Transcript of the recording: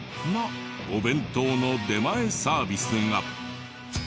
なお弁当の出前サービスが。